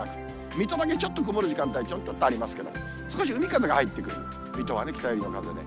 水戸だけちょっと曇る時間帯ちょっとありますけど、少し海風が入ってくる、水戸はね、北寄りの風で。